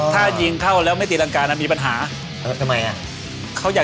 ถ้ายิงเข้าแล้วไม่ตีรังกามันมีปัญหา